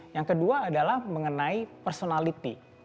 yang kedua adalah mengenai personality